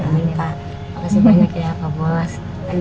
makasih banyak ya pak bos